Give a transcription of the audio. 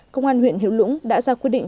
công an huyện hiếu lũng đã ra quyết định